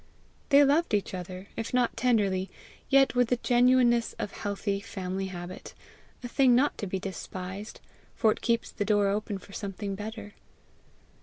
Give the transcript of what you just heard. They loved each other, if not tenderly, yet with the genuineness of healthy family habit a thing not to be despised, for it keeps the door open for something better.